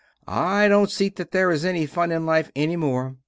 I dont see that their is enny fun in life enny more.